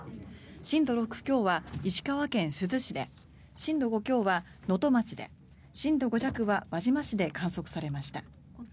震度６強は石川県珠洲市で震度５強は能登町で震度５弱は輪島市で観測されました。